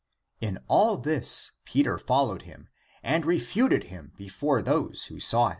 ^"* In all this Peter followed him and refuted him before those 20 Lat.